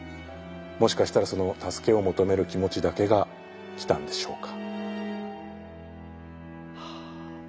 もしかしたらその助けを求める気持ちだけが来たんでしょうか。